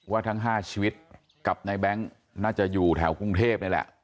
ทั้ง๕ชีวิตกับนายแบงค์น่าจะอยู่แถวกรุงเทพนี่แหละ